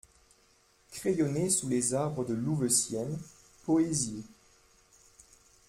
Crayonné sous les Arbres de Louveciennes, poésie.